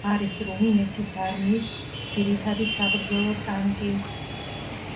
არის რუმინეთის არმიის ძირითადი საბრძოლო ტანკი.